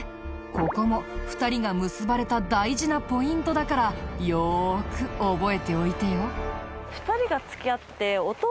ここも２人が結ばれた大事なポイントだからよく覚えておいてよ。